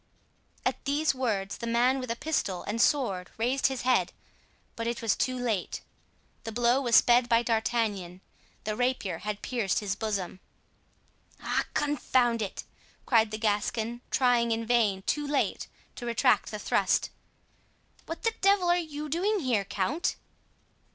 At these words the man with a pistol and sword raised his head, but it was too late. The blow was sped by D'Artagnan; the rapier had pierced his bosom. "Ah! confound it!" cried the Gascon, trying in vain, too late, to retract the thrust. "What the devil are you doing here, count?"